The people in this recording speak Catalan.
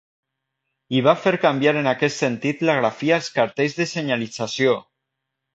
I va fer canviar en aquest sentit la grafia als cartells de senyalització!